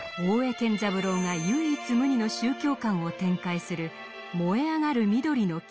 健三郎が唯一無二の宗教観を展開する「燃えあがる緑の木」。